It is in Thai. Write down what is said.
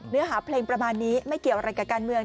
เนื้อหาเพลงประมาณนี้ไม่เกี่ยวอะไรกับการเมือง